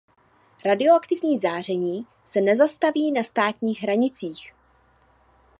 Radioaktivní záření se nezastaví na státních hranicích.